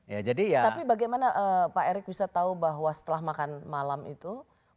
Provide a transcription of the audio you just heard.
tapi bagaimana pak erick bisa tahu bahwa setelah makan malam itu